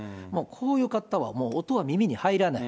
こういう方は、音は耳に入らない。